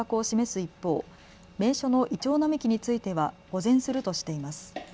一方名所のイチョウ並木については保全するとしています。